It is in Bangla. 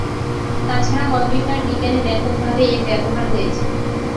তাছাড়া কম্পিউটার বিজ্ঞানে ব্যাপক ভাবে এর ব্যবহার রয়েছে।